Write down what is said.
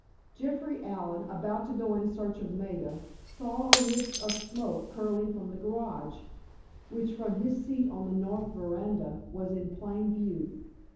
Jeffrey Allen, about to go in search of Maida, saw a wisp of smoke curling from the garage, which from his seat on the north veranda was in plain view.